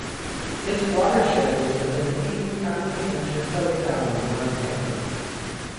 Its watershed is within Teton County and Chouteau County, Montana.